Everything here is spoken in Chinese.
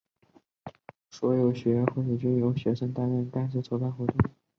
所有学会均由学生担任干事筹办活动。